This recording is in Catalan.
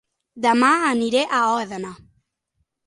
Dema aniré a Òdena